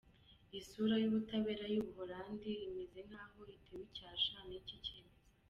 Isura y’Ubutabera bw’u Buholandi imeze nk’aho itewe icyasha n’iki cyemzo.